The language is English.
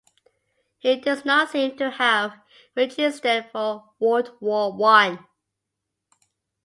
He does not seem to have registered for World War One.